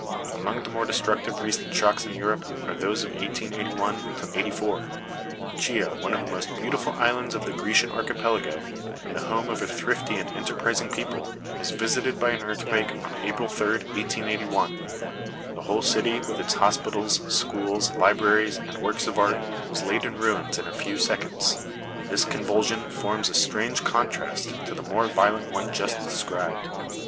Among the more destructive recent shocks in Europe are those of 1881 84. Chio, one of the most beautiful islands of the Grecian archipelago, and the home of a thrifty and enterprising people, was visited by an earthquake on April 3, 1881. The whole city, with its hospitals, schools, libraries and works of art, was laid in ruins in a few seconds. This convulsion forms a strange contrast to the more violent one just described.